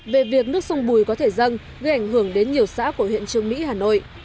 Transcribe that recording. về việc nước sông bùi có thể dâng gây ảnh hưởng đến nhiều xã của huyện trương mỹ hà nội